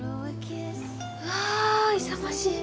わ勇ましい。